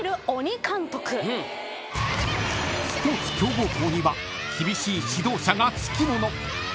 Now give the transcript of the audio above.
［スポーツ強豪校には厳しい指導者がつきもの］